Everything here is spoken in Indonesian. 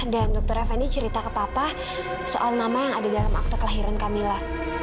dan dokter fendi cerita ke papa soal nama yang ada dalam akte kelahiran kamila